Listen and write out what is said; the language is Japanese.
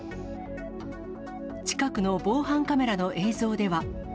近くの防犯カメラの映像では。